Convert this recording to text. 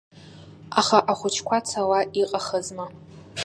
Аха ахәыҷқәа цауа иҟахызма!